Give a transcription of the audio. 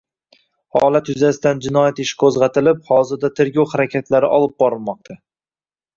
Holat yuzasidan jinoyat ishi qo‘zg‘atilib, hozirda tergov harakatlari olib borilmoqda